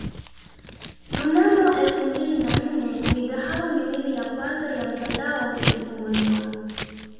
Mnamo elfu mbili na nne migahawa miwili ya kwanza ya mtandao ilifunguliwa